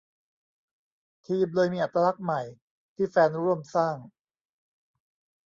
ทีมเลยมีอัตลักษณ์ใหม่ ที่แฟนร่วมสร้าง